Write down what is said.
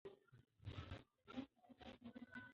ناڅاپه د تیلیفون زنګ ارامي ماته کړه.